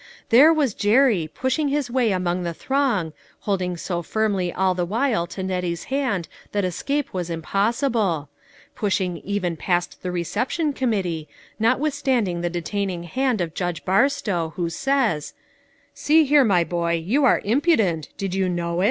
There was Jerry, pushing his way among the throng, holding so firmly all the while to Net tie's hand that escape was impossible pushing even past the reception committee, notwithstand ing the detaining hand of Judge Barstow, who says, " See here, my boy, you are impudent, did you know it?"